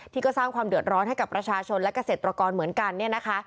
ที่ก็สร้างความเดือดร้อนให้กับประชาชนและเกษตรกรเหมือนกันเนี่ยนะคะ